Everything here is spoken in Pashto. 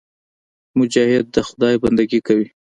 مجاهد د خدای بندګي کوي.